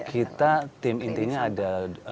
kita tim intinya ada dua puluh enam